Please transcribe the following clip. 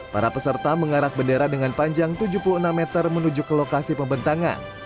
para peserta mengarah bendera dengan panjang tujuh puluh enam meter menuju ke lokasi pembentangan